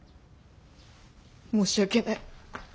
申し訳ない。